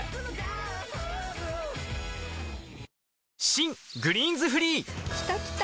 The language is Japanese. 新「グリーンズフリー」きたきた！